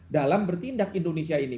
dalam bertindak indonesia ini